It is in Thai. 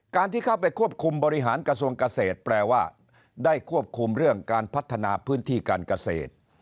ที่เข้าไปควบคุมบริหารกระทรวงเกษตรแปลว่าได้ควบคุมเรื่องการพัฒนาพื้นที่การเกษตร